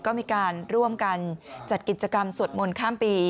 ก็มีการร่วมกันจัดกิจกรรมสวดมนต์ข้ามปี